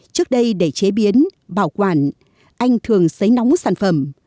trước đây để chế biến bảo quản anh thường xấy nóng sản phẩm